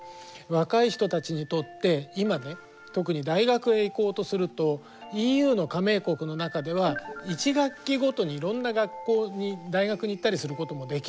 若い人たちにとって今ね特に大学へ行こうとするとＥＵの加盟国の中では１学期ごとにいろんな学校に大学に行ったりすることもできるんです。